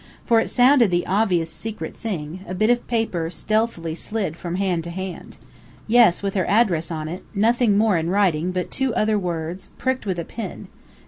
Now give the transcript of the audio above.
For it sounded the obvious secret thing; a bit of paper stealthily slid from hand to hand. "Yes, with her address on it nothing more in writing: but two other words, pricked with a pin.